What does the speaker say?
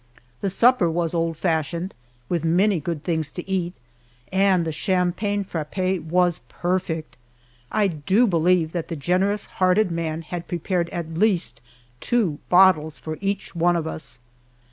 The supper was old fashioned, with many good things to eat, and the champagne frappe was perfect. I do believe that the generous hearted man had prepared at least two bottles for each one of us.